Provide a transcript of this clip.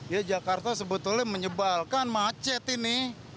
ya jakarta sebetulnya menyebalkan macet ini